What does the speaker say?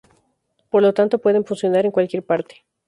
Por lo tanto pueden funcionar en cualquier parte.